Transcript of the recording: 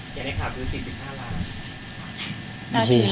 เกี่ยวกับรายละสามเป็น๔๕ล้าน